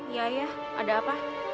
ya ya ada apa